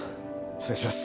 失礼します。